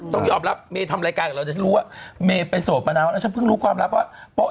ต้องยอบรับเมย์ทำรายการกับเรา